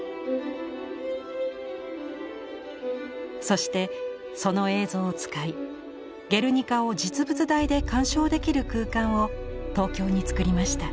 そしてその映像を使い「ゲルニカ」を実物大で鑑賞できる空間を東京につくりました。